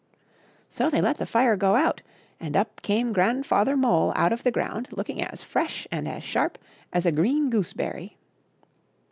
So they let the fire go out, and up came Grandfather Mole out of the ground looking as fresh and as sharp as a green gooseberry.